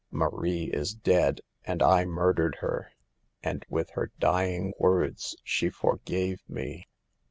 " Marie is dead, and I murdered her. And with her dying words she forgave me."